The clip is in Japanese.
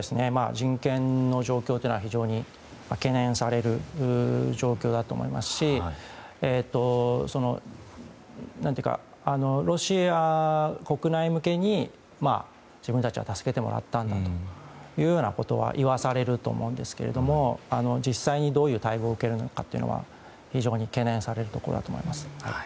人権の状況は非常に懸念される状況だと思いますしロシア国内向けに自分たちは助けてもらったんだというようなことは言わされると思うんですけど実際にどういう待遇を受けるのかというのは非常に懸念されるところだと思います。